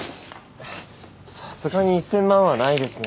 さすがに１，０００万はないですね。